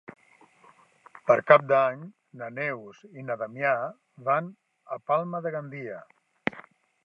Per Cap d'Any na Neus i na Damià van a Palma de Gandia.